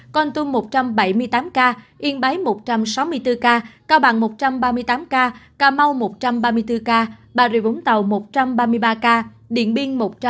con tum một trăm bảy mươi tám ca yên bái một trăm sáu mươi bốn ca cao bằng một trăm ba mươi tám ca cà mau một trăm ba mươi bốn ca bà rịa vũng tàu một trăm ba mươi ba ca điện biên một trăm linh ca